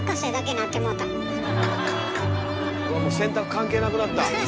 これはもう洗濯関係なくなった！